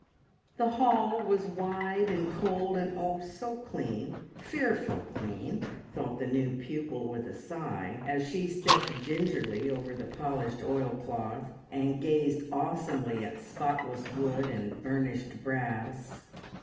The hall was wide and cold, and, oh, so clean "fearful clean," thought the new pupil with a sigh, as she stepped gingerly over the polished oilcloth and gazed awesomely at spotless wood and burnished brass.